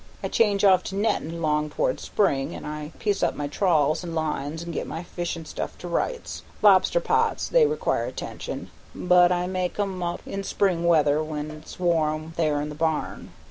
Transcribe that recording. I change off to nettin' long towards spring, and I piece up my trawls and lines and get my fishin' stuff to rights. Lobster pots they require attention, but I make 'em up in spring weather when it's warm there in the barn.